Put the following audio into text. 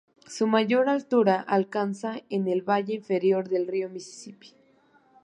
Su mayor altura la alcanza en el valle inferior del río Mississippi.